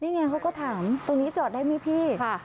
นี่ไงเขาก็ถามตรงนี้จอดได้ไหมพี่